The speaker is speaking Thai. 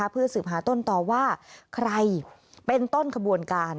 เพื่อสืบหาต้นต่อว่าใครเป็นต้นขบวนการ